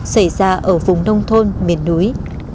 xảy ra ở vùng nông thôn miền núi